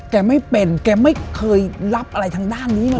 ไม่เป็นแกไม่เคยรับอะไรทางด้านนี้เลย